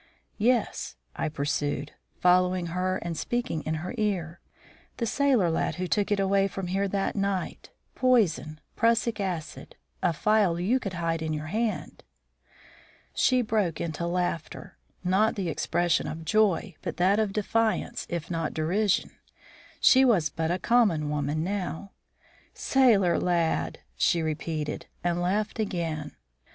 "Yes," I pursued, following her and speaking in her ear; "the sailor lad who took it away from here that night. Poison prussic acid a phial you could hide in your hand." She broke into laughter, not the expression of joy, but that of defiance if not derision. She was but a common woman now. "Sailor lad!" she repeated, and laughed again.